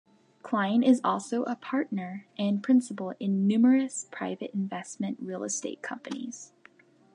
Klein is also a partner and principal in numerous private investment real estate companies.